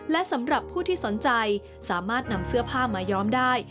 และสำหรับผู้ที่สนใจสามารถนำเสื้อผ้ามาย้อมได้